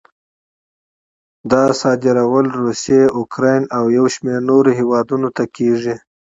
دا صادرول روسیې، اوکراین او یو شمېر نورو هېوادونو ته کېږي.